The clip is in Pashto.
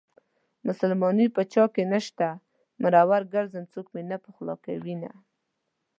مسلماني په چاكې نشته مرور ګرځم څوك مې نه پخولاكوينه